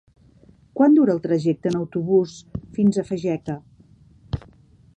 Quant dura el trajecte en autobús fins a Fageca?